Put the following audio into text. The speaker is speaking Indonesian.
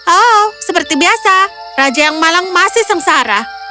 oh seperti biasa raja yang malang masih sengsara